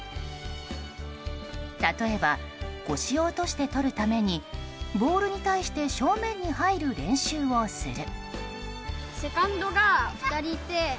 例えば腰を落としてとるためにボールに対して正面に入る練習をする。